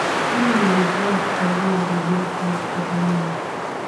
hii ni idhaa ya kiswahili ya radio france international